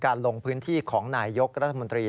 ลงพื้นที่ของนายยกรัฐมนตรี